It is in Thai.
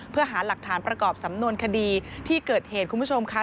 เพื่อหาหลักฐานประกอบสำนวนคดีที่เกิดเหตุคุณผู้ชมค่ะ